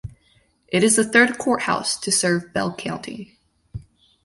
It is the third courthouse to serve Bell County.